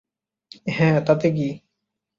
হ্যাঁ, তাতে কী?